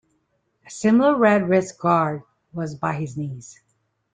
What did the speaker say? A similar red wrist-guard was by his knees.